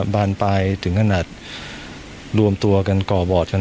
ถ้าเปรียบหลวงพ่อเหมือนพ่อบ้าน